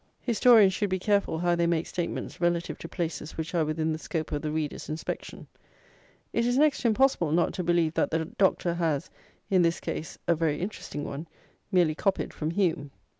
"Historians" should be careful how they make statements relative to places which are within the scope of the reader's inspection. It is next to impossible not to believe that the Doctor has, in this case (a very interesting one), merely copied from HUME.